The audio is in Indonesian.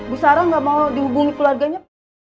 bu sarah nggak mau dihubungi keluarganya